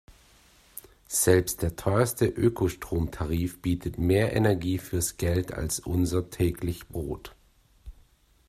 Selbst der teuerste Ökostromtarif bietet mehr Energie fürs Geld als unser täglich Brot.